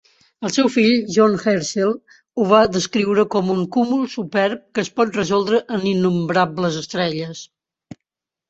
El seu fill, John Herschel, ho va descriure com "un cúmul superb que es pot resoldre en innombrables estrelles".